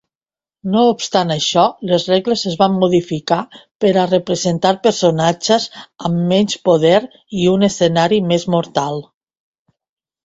No obstant això, les regles es van modificar per a representar personatges amb menys poder i un escenari més mortal.